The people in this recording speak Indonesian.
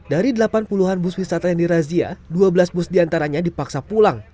dari delapan puluhan bus wisata yang dirazia dua belas bus diantaranya dipaksa pulang